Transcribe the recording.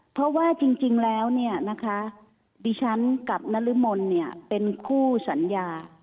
เพราะว่าจริงแล้วเนี่ยนะคะดิฉันกับนรมนเป็นคู่สัญญา